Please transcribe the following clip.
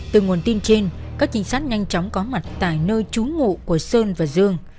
từ nguồn tin trên các chính sát nhanh chóng có mặt tại nơi trú ngụ của sơn và dương